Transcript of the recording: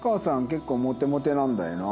結構モテモテなんだよな。